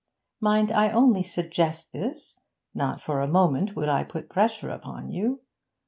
Mind, I only suggest this; not for a moment would I put pressure upon you.